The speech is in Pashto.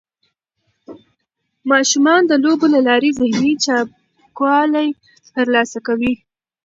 ماشومان د لوبو له لارې ذهني چابکوالی ترلاسه کوي.